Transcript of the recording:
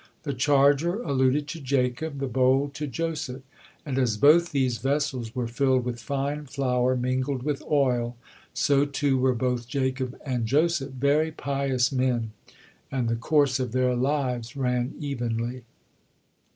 The charger alluded to Jacob, the bowl to Joseph, and as both these vessels were filled with fine flour mingled with oil, so too were both Jacob and Joseph very pious men, and the course of their lives ran evenly.